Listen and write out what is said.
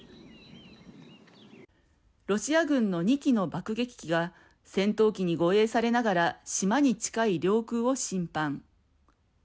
ロシア軍の２機の爆撃機が戦闘機に護衛されながら島に近い領空を侵犯。